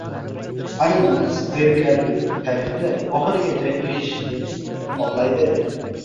arzimas, zerikarli tarixini oxirigacha eshitishlarini xohlaydi.